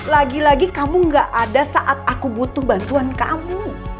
lagi lagi kamu gak ada saat aku butuh bantuan kamu